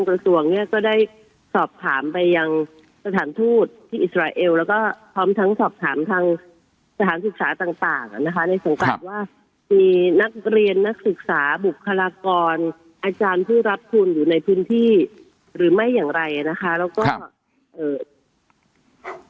กระทรวงเนี้ยก็ได้สอบถามไปยังสถานทูตที่อิสราเอลแล้วก็พร้อมทั้งสอบถามทางสถานศึกษาต่างต่างอ่ะนะคะในสงการว่ามีนักเรียนนักศึกษาบุคลากรอาจารย์ผู้รับทุนอยู่ในพื้นที่หรือไม่อย่างไรนะคะแล้วก็เอ่อ